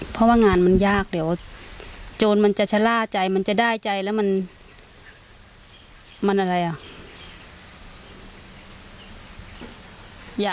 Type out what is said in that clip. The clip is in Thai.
เพราะว่างานมันยากเดี๋ยวโจรมันจะชะล่าใจมันจะได้ใจแล้วมันอะไรอ่ะ